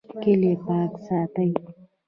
کلی پاک ساتئ